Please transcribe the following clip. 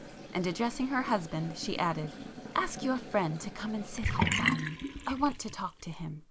And addressing her husband, she added—"Ask your friend to come and sit here by me,—I want to talk to him.